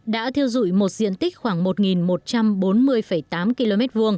đã thiêu dụi một diện tích khoảng một một trăm bốn mươi tám km hai